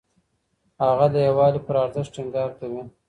هغه د يووالي پر ارزښت ټينګار کوي.